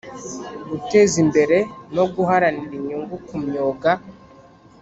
Guteza imbere no guharanira inyungu kumyuga